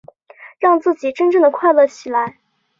让自己真的快乐起来